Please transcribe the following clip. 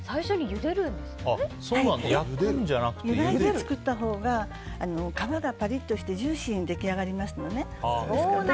ゆでて作ったほうが皮がパリッとしてジューシーに出来上がります。